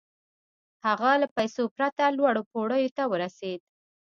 هغه له پيسو پرته لوړو پوړيو ته ورسېد.